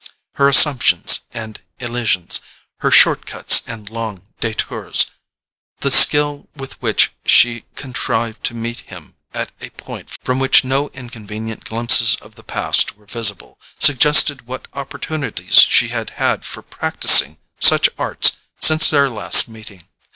Her assumptions and elisions, her short cuts and long DETOURS, the skill with which she contrived to meet him at a point from which no inconvenient glimpses of the past were visible, suggested what opportunities she had had for practising such arts since their last meeting.